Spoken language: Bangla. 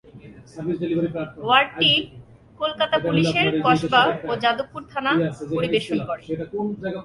ওয়ার্ডটি কলকাতা পুলিশের কসবা ও যাদবপুর থানা পরিবেশন করে।